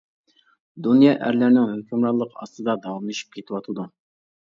دۇنيا ئەرلەرنىڭ ھۆكۈمرانلىقى ئاستىدا داۋاملىشىپ كېلىۋاتىدۇ.